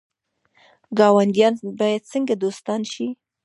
ګاونډیان باید څنګه دوستان شي؟